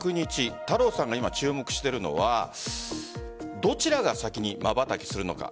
太郎さんが今、注目しているのはどちらが先にまばたきするのか。